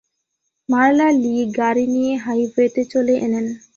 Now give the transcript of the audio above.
মারলা Lee গাড়ি নিয়ে হাইওয়েতে চলে এলেন।